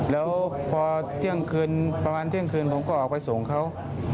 แล้วพอเที่ยงคืนประมาณเที่ยงคืนผมก็ออกไปส่งเขา